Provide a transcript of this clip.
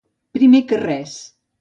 Primer que res.